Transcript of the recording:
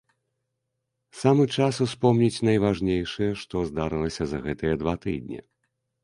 Самы час успомніць найважнейшае, што здарылася за гэтыя два тыдні.